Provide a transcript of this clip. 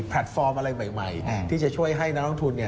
ฟอร์มอะไรใหม่ที่จะช่วยให้นักลงทุน